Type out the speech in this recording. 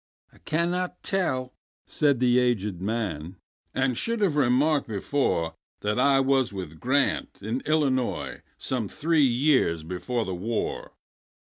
"I cannot tell," said the aged man,"And should have remarked before, That I was with Grant,—in Illinois,—Some three years before the war."